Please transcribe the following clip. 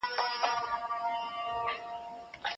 د دوکتورا برنامه پرته له پلانه نه پراخیږي.